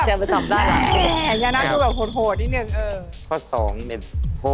ใช่ไหมมันก็ฟังด้วยแบบแหม่งิวแหนะอร่อยนิดนึง